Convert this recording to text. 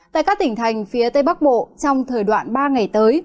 tại các tỉnh thành phía tây bắc bộ trong thời đoạn ba ngày tới